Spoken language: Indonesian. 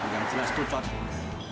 yang jelas itu cocok